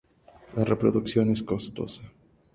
La reproducción es costosa.